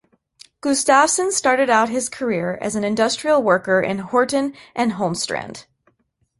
Gustavsen started out his career as an industrial worker in Horten and Holmestrand.